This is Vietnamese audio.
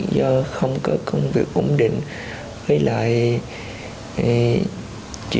do không có công việc ổn định